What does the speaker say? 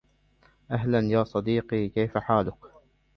أهلا يا صديقي، كيف حالك؟